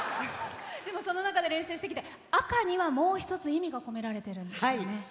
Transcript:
その中で練習してきて赤には、もう一つ意味が込められてるんですよね。